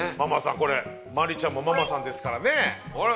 これ麻里ちゃんもママさんですからね。